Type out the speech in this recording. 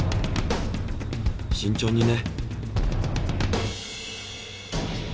慎重にね。